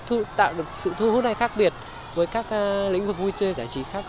chưa tạo được sự thu hút hay khác biệt với các lĩnh vực vui chơi giá trị khác